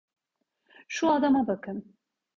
Şu adama bakın.